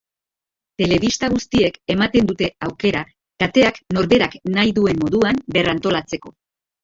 Telebista guztiek ematen dute aukera kateak norberak nahi duen moduan berrantolatzeko.